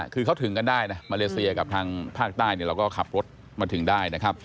คือเขาถึงกันได้นะมาเลเซียกับทางภาคใต้เนี่ยเราก็ขับรถมาถึงได้นะครับ